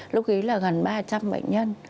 lúc ấy là gần ba trăm linh bệnh nhân